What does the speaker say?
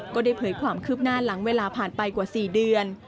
ก็ได้เผยความคืบหน้าหลังเวลาผ่านไปกว่า๔เดือน